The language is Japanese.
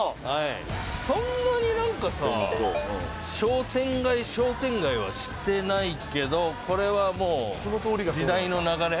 そんなに何かさ商店街商店街はしてないけどこれはもう時代の流れ？